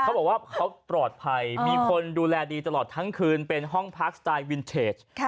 เขาบอกว่าเขาปลอดภัยมีคนดูแลดีตลอดทั้งคืนเป็นห้องพักสไตล์วินเทจ